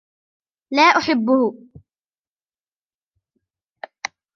لا أحبه